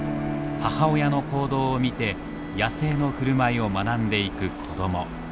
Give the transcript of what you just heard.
母親の行動を見て野生の振る舞いを学んでいく子ども。